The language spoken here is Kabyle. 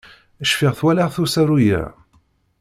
Cfiɣ walaɣ-t usaru-ya.